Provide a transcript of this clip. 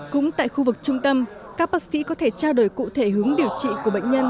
cũng tại khu vực trung tâm các bác sĩ có thể trao đổi cụ thể hướng điều trị của bệnh nhân